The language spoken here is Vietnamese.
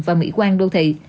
và mỹ quan đô thị